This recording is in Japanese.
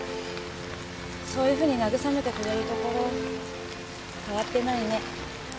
そういうふうに慰めてくれるところ変わってないね。